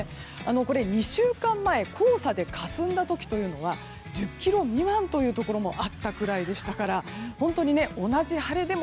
２週間前黄砂でかすんだ時というのは１０ｋｍ未満というところもあったぐらいですから同じ晴れでも、